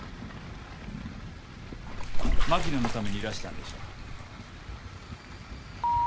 槙野のためにいらしたんでしょう？